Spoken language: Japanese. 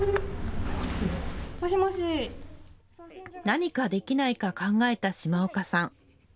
何かできないか考えた嶋岡さん。